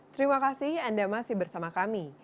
terima kasih anda masih bersama kami